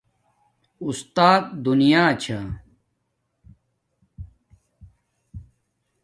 اُستات دینا چھا